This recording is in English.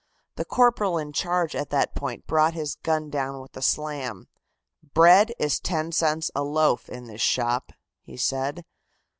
The corporal in charge at that point brought his gun down with a slam. "Bread is 10 cents a loaf in this shop," he said.